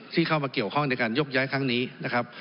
เข้ามาเกี่ยวข้องในการยกย้ายครั้งนี้นะครับ